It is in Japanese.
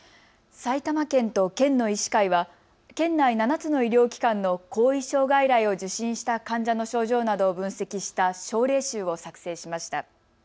埼玉県と県の医師会は県内７つの医療機関の後遺症外来を受診した患者の症状などを分析した症例集を作成しました。